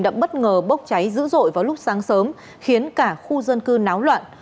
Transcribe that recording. đã bất ngờ bốc cháy dữ dội vào lúc sáng sớm khiến cả khu dân cư náo loạn